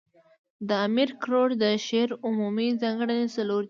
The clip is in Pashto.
د امیر کروړ د شعر عمومي ځانګړني څلور دي.